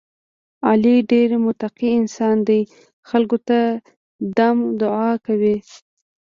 علي ډېر متقی انسان دی، خلکو ته دم دعا هم کوي.